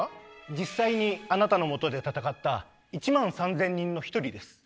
実際にあなたのもとで戦った１万３，０００人の一人です。